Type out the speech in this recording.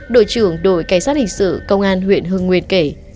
đội trưởng đội cảnh sát hình sự công an huyện hưng nguyên kể